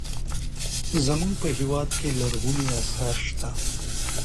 زموږ په هېواد کې لرغوني اثار شته.